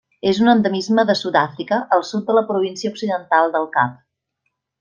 És un endemisme de Sud-àfrica al sud de la Província Occidental del Cap.